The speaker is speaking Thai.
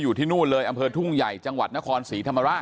อร่อยรวมด้วยว่าเกิดอะไรแบบนั้นล่ะอร่อยไหมนะนะฮะ